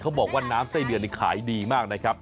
บอกว่าน้ำไส้เดือนนี่ขายดีมากนะครับ